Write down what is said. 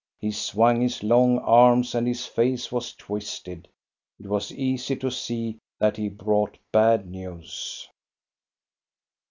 He swung his long arms, and his face was twisted. It was easy to sec that he brought bad news.